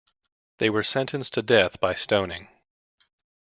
They were sentenced to death by stoning.